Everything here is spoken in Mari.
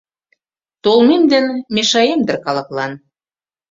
Толмем ден мешаем дыр калыклан